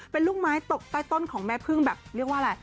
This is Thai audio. เป็นลูกไม้ตกใต้ต้นของแม่พึ่งแบบเรียกว่าอะไร